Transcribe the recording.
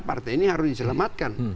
partai ini harus diselamatkan